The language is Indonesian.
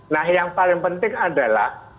nah yang paling penting adalah